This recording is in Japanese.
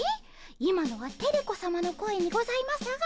今のはテレ子さまの声にございますが。